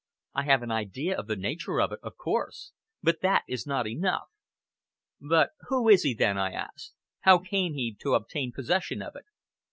I have an idea of the nature of it, of course. But that is not enough." "But who is he then?" I asked. "How came he to obtain possession of it?"